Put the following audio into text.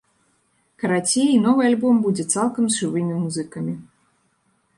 Карацей, новы альбом будзе цалкам з жывымі музыкамі.